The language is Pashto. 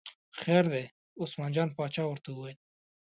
خیر دی، عثمان جان باچا ورته وویل.